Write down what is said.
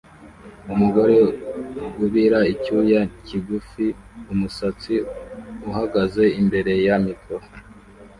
Umugore ubira icyuya kigufi-umusatsi uhagaze imbere ya mikoro